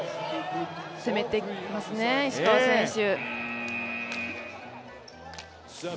攻めていますね、石川選手。